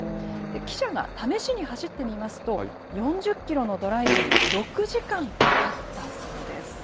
記者が試しに走ってみますと、４０キロのドライブに６時間かかったそうです。